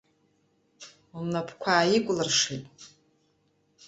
Лнапқәа ааикәлыршеит.